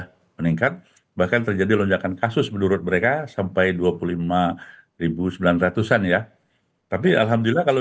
sudah meningkat bahkan terjadi lonjakan kasus menurut mereka sampai dua puluh lima sembilan ratus an ya tapi alhamdulillah kalau